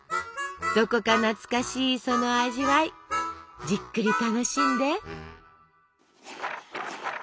どこか懐かしいその味わいじっくり楽しんで。